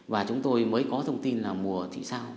và chúng tôi mới có thông tin là mùa thị sao